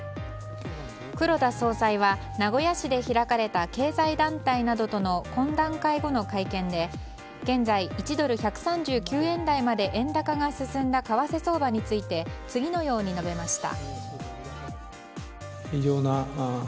黒田総裁は名古屋市で開かれた経済団体などの懇談会後の会見で現在、１ドル＝１３９円台まで円高が進んだ為替相場について次のように述べました。